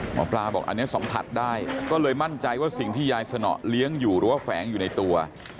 หมอปลาบอกอันนี้สัมผัสได้ก็เลยมั่นใจว่าสิ่งที่ยายสนอเลี้ยงอยู่หรือว่าแฝงอยู่ในตัว